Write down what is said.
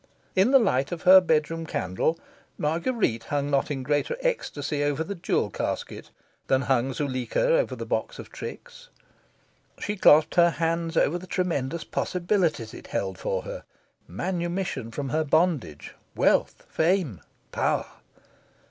In the light of her bedroom candle Marguerite hung not in greater ecstasy over the jewel casket than hung Zuleika over the box of tricks. She clasped her hands over the tremendous possibilities it held for her manumission from her bondage, wealth, fame, power.